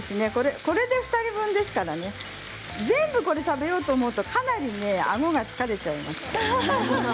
これを全部食べようと思うとかなり、あごが疲れちゃいます。